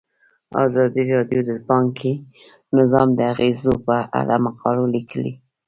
ازادي راډیو د بانکي نظام د اغیزو په اړه مقالو لیکلي.